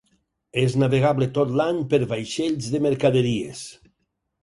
És navegable tot l'any per vaixells de mercaderies.